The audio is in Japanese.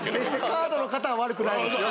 カードの方は悪くないですよ。